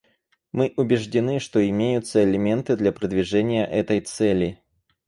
Мы убеждены, что имеются элементы для продвижения этой цели.